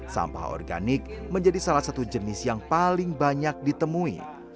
sampah organik menjadi salah satu jenis yang paling banyak ditemui